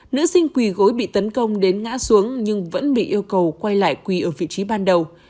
nữ sinh quỳ gối bị tấn công đến ngã xuống nhưng vẫn bị yêu cầu quay lại quỳ ở vị trí ban đầu